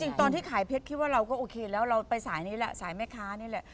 ตอนที่ขายเพชรคิดว่าเราก็โอเคแล้วเราไปสายนี้แหละสายแม่ค้านี่แหละ